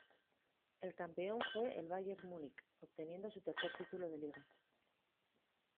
El campeón fue el Bayern Múnich, obteniendo su tercer título de Liga.